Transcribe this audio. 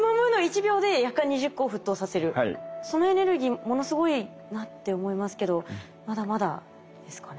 そのエネルギーものすごいなって思いますけどまだまだですかね？